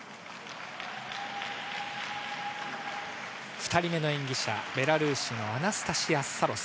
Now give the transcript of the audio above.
２人目の演技者、ベラルーシのアナスタシヤ・サロス。